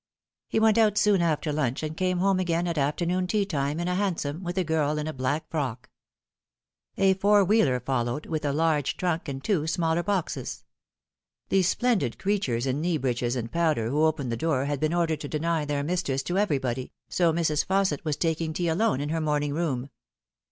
He went out soon after lunch, and came home again at afternoon tea time in a hansom, with a girl in a black frock. A four wheeler followed, with a large trunk and two smaller boxes. The splendid creatures in knee breeches and powder who opened the door had been ordered to deny their mistress to everybody, so Mrs. Fausset was taking tea alone in her morn ing room.